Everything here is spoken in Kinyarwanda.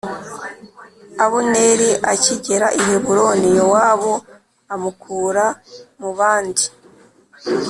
Abuneri akigera i Heburoni Yowabu amukura mu bandi